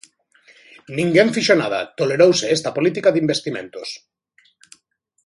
Ninguén fixo nada, tolerouse esta política de investimentos.